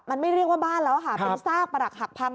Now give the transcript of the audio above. มันไม่เรียกว่าบ้านแล้วค่ะเป็นซากประหลักหักพัง